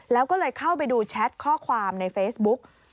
แล้วก็เลยเข้าไปดูแชทข้อความในเฟซบุ๊ก